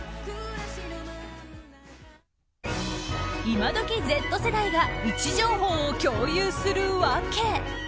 今時Ｚ世代が位置情報を共有する訳。